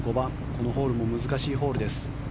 このホールも難しいホールです。